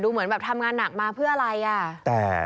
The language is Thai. เหมือนแบบทำงานหนักมาเพื่ออะไรอ่ะ